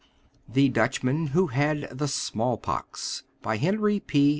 THE DUTCHMAN WHO HAD THE "SMALL POX" BY HENRY P.